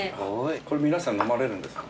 これ皆さん飲まれるんですか？